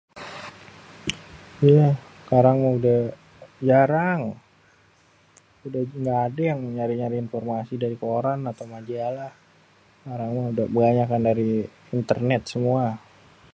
[yé] sekarang méh udéh jarang, udéh ga adé yang nyari-nyari informasi dari koran atau majalah, sekarang udéh kébanyakan dari internet semué